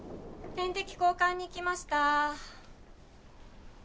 ・・点滴交換に来ました。